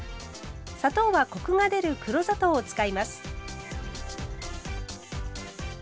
砂糖はコクが出る黒砂糖を使います。